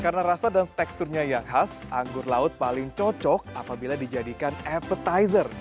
karena rasa dan teksturnya yang khas anggur laut paling cocok apabila dijadikan appetizer